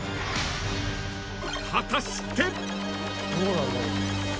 ［果たして？］